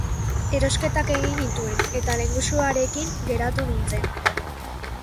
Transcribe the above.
Erosketak egin nituen eta lehengusuarekin geratu nintzen.